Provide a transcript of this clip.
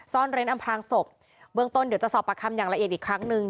ซ่อนเร้นอำพลางศพเบื้องต้นเดี๋ยวจะสอบประคำอย่างละเอียดอีกครั้งหนึ่ง